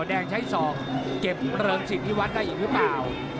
แดงใช้๒เก็บเริมสิดนิวัตรได้อีกหรือเปล่า